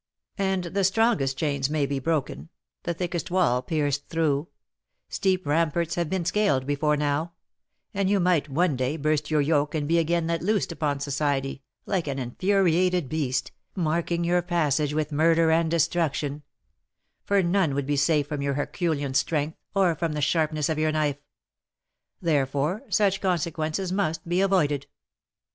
And the strongest chains may be broken, the thickest wall pierced through, steep ramparts have been scaled before now, and you might one day burst your yoke and be again let loose upon society, like an infuriated beast, marking your passage with murder and destruction; for none would be safe from your Herculean strength, or from the sharpness of your knife; therefore such consequences must be avoided.